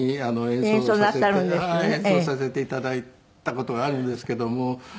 演奏させて頂いた事があるんですけども。